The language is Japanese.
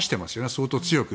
相当強く。